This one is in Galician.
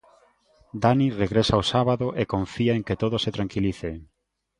Dani regresa o sábado e confía en que todo se tranquilice.